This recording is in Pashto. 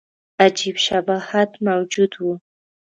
عجیب شباهت موجود وو.